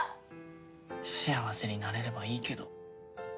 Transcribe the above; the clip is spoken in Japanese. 幸せになれればいいけど。